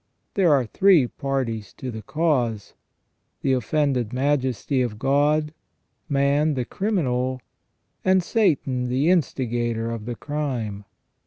There are three parties to the cause — the offended Majesty of God ; man, the criminal ; and Satan, the instigator of the crime.